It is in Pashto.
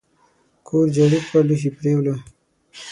کور جارو کړه لوښي پریوله !